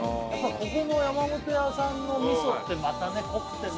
ここの山本屋さんの味噌ってまたね濃くてね